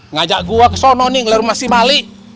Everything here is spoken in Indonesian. ngajak gue ke sana nih ngeluar rumah si mali